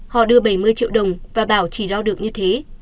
họ đưa bảy mươi triệu đồng và bảo chỉ đo được như thế